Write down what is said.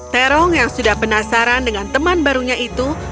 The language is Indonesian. terong yang sudah penasaran dengan teman barunya itu